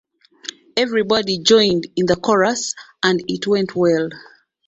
Everybody joined in the chorus, and it went well.